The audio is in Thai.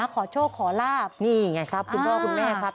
ขอโชคขอลาบนี่ไงครับคุณพ่อคุณแม่ครับ